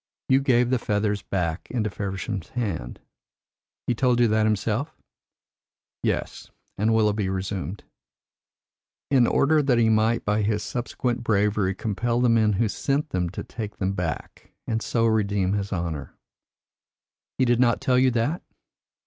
"You gave the feathers back into Feversham's hand " "He told you that himself?" "Yes;" and Willoughby resumed, "in order that he might by his subsequent bravery compel the men who sent them to take them back, and so redeem his honour." "He did not tell you that?"